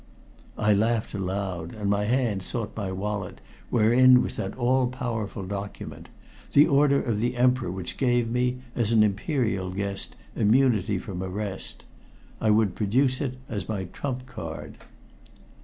I laughed aloud, and my hand sought my wallet wherein was that all powerful document the order of the Emperor which gave me, as an imperial guest, immunity from arrest. I would produce it as my trump card.